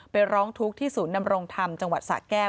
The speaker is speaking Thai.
ร้องทุกข์ที่ศูนย์นำรงธรรมจังหวัดสะแก้ว